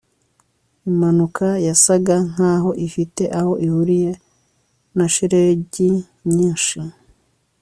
impanuka yasaga nkaho ifite aho ihuriye na shelegi nyinshi